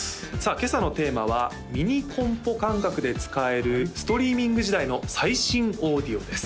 今朝のテーマはミニコンポ感覚で使えるストリーミング時代の最新オーディオです